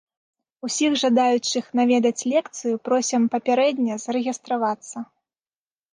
Усіх жадаючых наведаць лекцыю просім папярэдне зарэгістравацца.